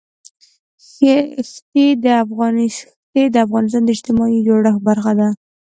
ښتې د افغانستان د اجتماعي جوړښت برخه ده.